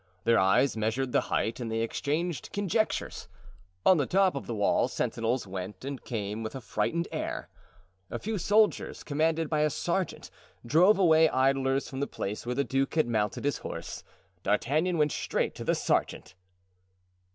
Their eyes measured the height and they exchanged conjectures. On the top of the wall sentinels went and came with a frightened air. A few soldiers, commanded by a sergeant, drove away idlers from the place where the duke had mounted his horse. D'Artagnan went straight to the sergeant.